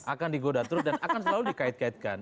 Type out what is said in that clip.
akan digoda terus dan akan selalu dikait kaitkan